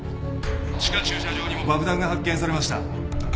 地下駐車場にも爆弾が発見されました。